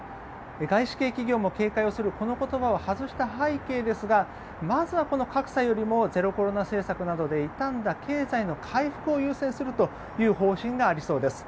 外資系企業も警戒をするこの言葉を外した背景ですがまずはこの格差よりもゼロコロナ政策などで傷んだ経済の回復を優先するという方針がありそうです。